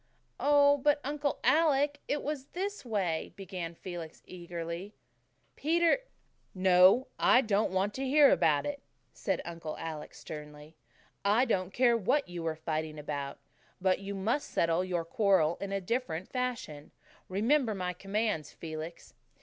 "Oh, but Uncle Alec, it was this way," began Felix eagerly. "Peter " "No, I don't want to hear about it," said Uncle Alec sternly. "I don't care what you were fighting about, but you must settle your quarrels in a different fashion. Remember my commands, Felix.